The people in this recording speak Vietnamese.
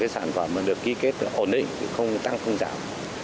sản phẩm mà được ký kết ổn định không tăng không giảm